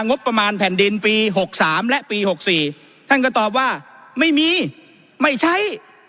งบประมาณแผ่นดินปี๖๓และปี๖๔ท่านก็ตอบว่าไม่มีไม่ใช้